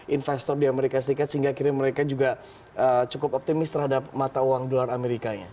investor di amerika serikat sehingga akhirnya mereka juga cukup optimis terhadap mata uang dolar amerika ya